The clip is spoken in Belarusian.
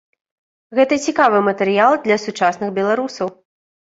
Гэта цікавы матэрыял для сучасных беларусаў.